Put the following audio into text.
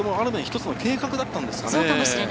計画だったんですかね。